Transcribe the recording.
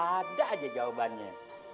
ada aja jawabannya